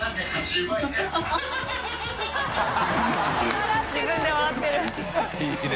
自分で笑ってる。いいね。